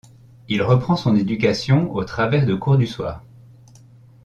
Il reprend son éducation au travers de cours du soir.